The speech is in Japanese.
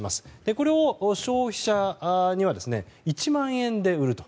これを消費者には１万円で売ると。